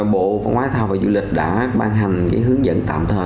bộ văn hóa thao và du lịch đã ban hành hướng dẫn tạm thời